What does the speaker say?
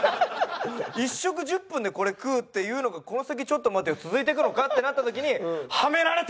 「１食１０分でこれ食うっていうのがこの先ちょっと待てよ続いてくのか？」ってなった時に「はめられた！」